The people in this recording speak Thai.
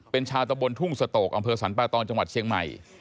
เป็นชาวตะบนทุ่งสโตกอำเภอสรรปะตองจังหวัดเชียงใหม่